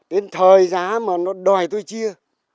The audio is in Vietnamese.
đến thời giá mà nó đòi tôi chia